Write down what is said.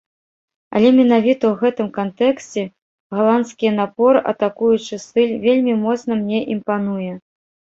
Але менавіта ў гэтым кантэксце галандскі напор, атакуючы стыль вельмі моцна мне імпануе.